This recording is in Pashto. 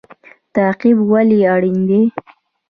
تعقیب ولې اړین دی؟